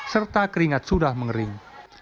serta keringat sudah mengering